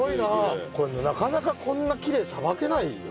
なかなかこんなきれいにさばけないよ。